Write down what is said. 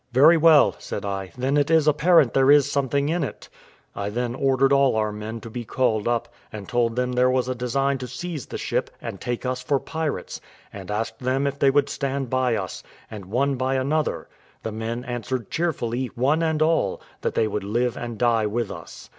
"Very well," said I, "then it is apparent there is something in it." I then ordered all our men to be called up, and told them there was a design to seize the ship, and take us for pirates, and asked them if they would stand by us, and by one another; the men answered cheerfully, one and all, that they would live and die with us.